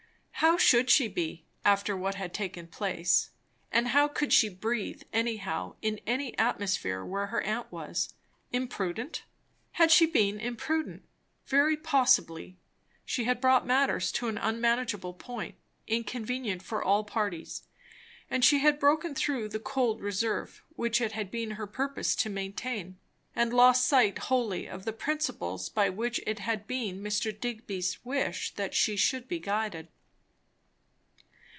How should she be, after what had taken place? And how could she breathe, anyhow, in any atmosphere where her aunt was? Imprudent? had she been imprudent? Very possibly; she had brought matters to an unmanageable point, inconvenient for all parties; and she had broken through the cold reserve which it had been her purpose to maintain, and lost sight wholly of the principles by which it had Been Mr. Digby's wish that she should be guided.